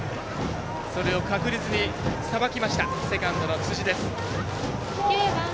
それを確実にさばきましたセカンドの辻です。